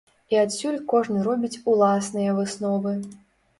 І адсюль кожны робіць уласныя высновы.